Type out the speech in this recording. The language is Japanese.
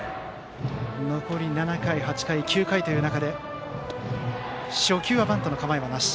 残り７回、８回９回という中で初球はバントの構えなし。